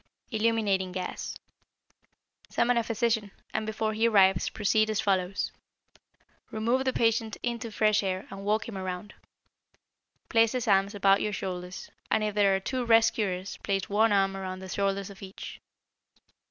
=Illuminating Gas.= Summon a physician, and before he arrives proceed as follows: Remove the patient into fresh air and walk him around. Place his arms about your shoulders, and if there are two rescuers place one arm around the shoulders of each.